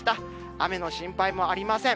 雨の心配もありません。